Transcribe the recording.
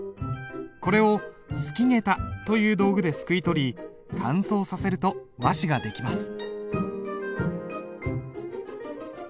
これをすきげたという道具ですくい取り乾燥させると和紙ができます。